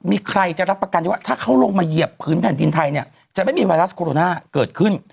มีใครจะรับประกันได้ว่าถ้าเขาลงมาเหยียบพื้นแผ่นดินไทยเนี่ยจะไม่มีไวรัสโคโรนาเกิดขึ้น